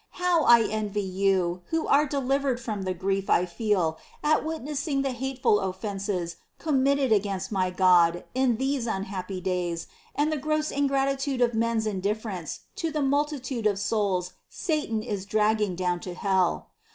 How I envy you, who are delivered from the grief I feel at witnessing the hateful offences committed against my God in these unhappy days and the gross ingratitude of men's in difference to the multitude of souls Satan is dragging down to hell.